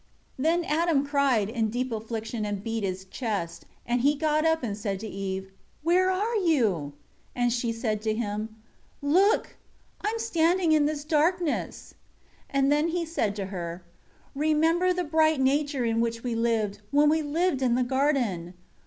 5 Then Adam cried, in deep affliction, and beat his chest; and he got up and said to Eve, "Where are you?" 6 And she said to him, "Look, I am standing in this darkness." 7 He then said to her, "Remember the bright nature in which we lived, when we lived in the garden!